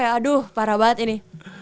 aduh parah banget ini